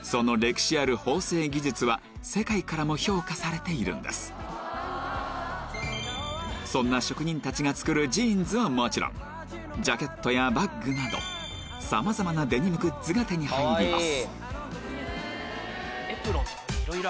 歴史あるそんな職人たちが作るジーンズはもちろんジャケットやバッグなどさまざまなデニムグッズが手に入ります